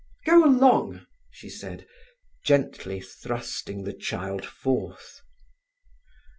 "Go along," she said, gently thrusting the child forth.